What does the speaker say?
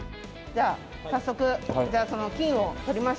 じゃあ早速じゃあその金を採りましょう。